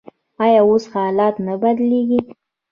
آیا اوس حالات نه بدلیږي؟